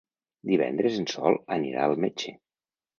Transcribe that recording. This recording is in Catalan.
Divendres en Sol anirà al metge.